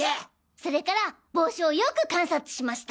それから帽子をよく観察しました。